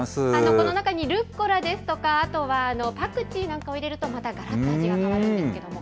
この中にルッコラですとか、あとはパクチーなんかを入れると、またがらっと味が変わるんですけれども。